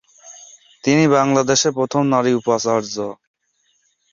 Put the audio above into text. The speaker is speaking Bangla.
তিনি বাংলাদেশের প্রথম নারী উপাচার্য।